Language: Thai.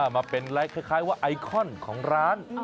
มาเป็นไลค์คล้ายว่าไอคอนของร้าน